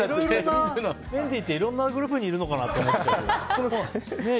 メンディーっていろんなグループにいるのかなと思ってたけど。